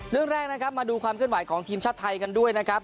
เรื่องแรกนะครับมาดูความเคลื่อนไหวของทีมชาติไทยกันด้วยนะครับ